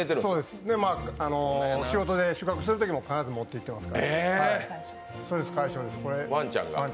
仕事で宿泊するときも必ず持っていってます。